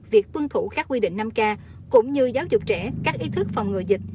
việc tuân thủ các quy định năm k cũng như giáo dục trẻ các ý thức phòng ngừa dịch